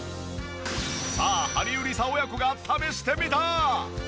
さあハリウリサ親子が試してみた。